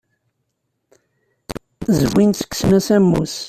Zwin-tt, kksen-as ammus.